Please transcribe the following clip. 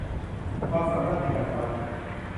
ความสามารถในการวัด